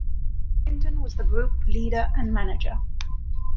Clinton was the group leader and manager.